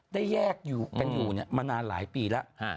ได้แยกอยู่กันอยู่มานานหลายปีแล้ว